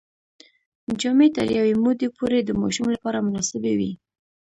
جامې تر یوې مودې پورې د ماشوم لپاره مناسبې وي.